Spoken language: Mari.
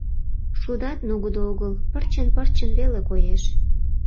Шудат нугыдо огыл, пырчын-пырчын веле коеш.